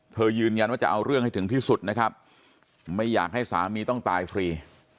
ยืนยันว่าจะเอาเรื่องให้ถึงที่สุดนะครับไม่อยากให้สามีต้องตายฟรี